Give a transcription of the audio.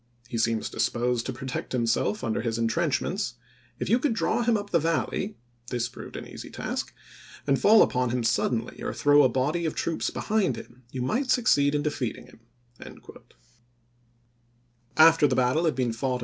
He seems disposed to protect himself under his intrenchments. If you could draw him up the Valley "— this proved an easy task — "and fall upon him suddenly or throw a body of troops behind him you might succeed in de toil^y, f eating him." After the battle had been fought Gim.